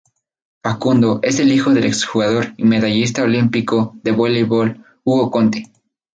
Facundo es el hijo del ex jugador y medallista olímpico de voleibol Hugo Conte.